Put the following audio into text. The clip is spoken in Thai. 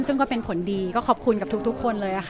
ซึ่งก็เป็นผลดีก็ขอบคุณกับทุกคนเลยค่ะ